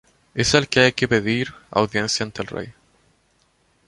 Es al que hay que pedir audiencia ante el rey.